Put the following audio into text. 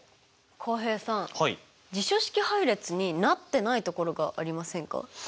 浩平さん辞書式配列になってないところがありませんか？